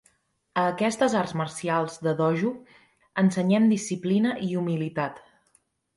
A aquestes arts marcials de dojo ensenyem disciplina i humilitat.